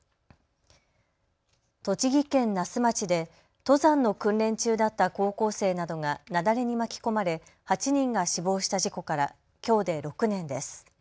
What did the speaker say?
栃木県那須町で登山の訓練中だった高校生などが雪崩に巻き込まれ８人が死亡した事故からきょうで６年です。